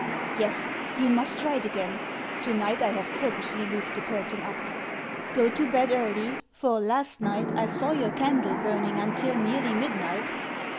Yes, you must write again. Tonight I have purposely looped the curtain up. Go to bed early, for, last night, I saw your candle burning until nearly midnight.